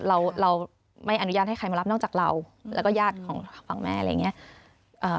เราเราไม่อนุญาตให้ใครมารับนอกจากเราแล้วก็ญาติของฝั่งแม่อะไรอย่างเงี้ย